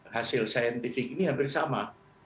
hasil saintifik ini hampir sama